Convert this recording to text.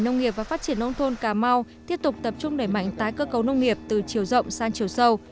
nông nghiệp và phát triển nông thôn cà mau tiếp tục tập trung đẩy mạnh tái cơ cấu nông nghiệp từ chiều rộng sang chiều sâu